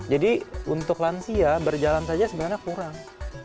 jadi untuk lansia berjalan saja sebenarnya kurang